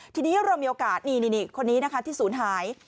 ทีนี้เรามีโอกาสนี่คนนี้นะคะที่ศูนย์หาย